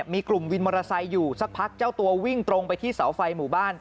มีกลุ่มวินมอเตอร์ไซค์อยู่สักพักเจ้าตัววิ่งตรงไปที่เสาไฟหมู่บ้าน